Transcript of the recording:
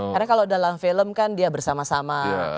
karena kalau dalam film kan dia bersama sama